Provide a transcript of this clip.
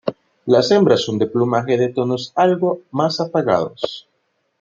Las hembras son de plumaje de tonos algo más apagados.